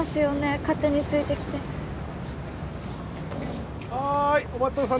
勝手についてきて・はーいお待ちどおさん